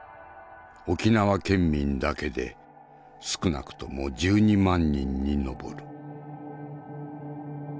沖縄県民だけで少なくとも１２万人に上る。